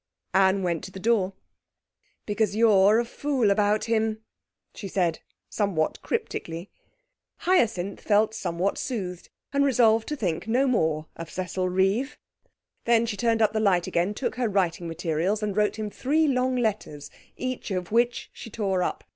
Anne went to the door. 'Because you're a fool about him,' she said somewhat cryptically. Hyacinth felt somewhat soothed, and resolved to think no more of Cecil Reeve. She then turned up the light again, took her writing materials, and wrote him three long letters, each of which she tore up.